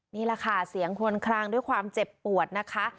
นี่แหละค่ะเสียงคลวนคลางด้วยความเจ็บปวดนะคะ